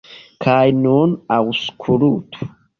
Kaj nun aŭskultu!